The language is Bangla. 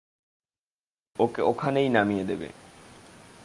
ওকে ওখানেই নামিয়ে দেবে।